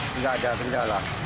tidak ada kendala